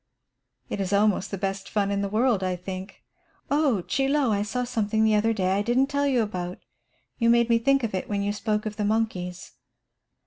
"It is almost the best fun in the world, I think. Oh, Chie Lo, I saw something the other day I didn't tell you about. You made me think of it when you spoke of the monkeys.